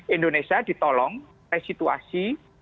indonesia ditolong resituasi